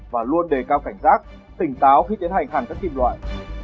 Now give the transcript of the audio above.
và luôn đề cao cảnh giác tỉnh táo khi tiến hành hàn các kim loại